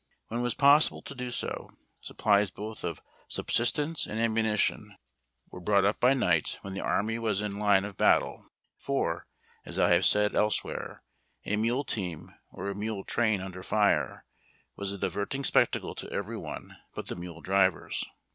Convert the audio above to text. When it was possible to do so, supplies both of subsistence and ammunition were brought ARMY WA GON TBA INS. 367 up by night when the army was in line of battle, for, as I have said elsewhere, a mule team or a mule train under fire was a diverting spectacle to every one but the mule drivers.